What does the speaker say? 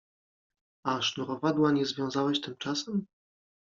A sznurowadła nie związałeś tymczasem?